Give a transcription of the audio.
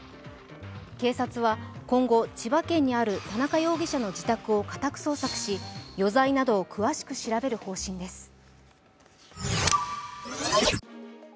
警察は今後、千葉県にある田中容疑者の自宅を家宅捜索し余罪などを詳しく調べる方針です。